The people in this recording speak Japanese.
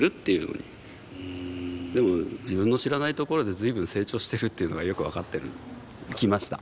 でも自分の知らないところで随分成長してるっていうのはよく分かってきました。